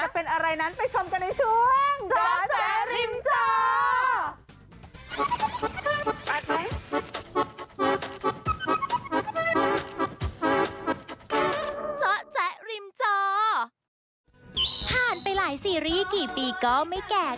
ผ่านไปหลายซีรีย์กี่ปีก็ไม่แกะ